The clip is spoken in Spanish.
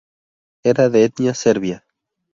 Era de etnia serbia.